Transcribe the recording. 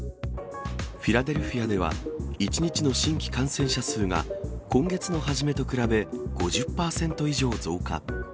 フィラデルフィアでは、１日の新規感染者数が今月の初めと比べ５０％以上増加。